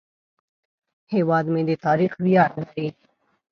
هیواد مې د تاریخ ویاړ لري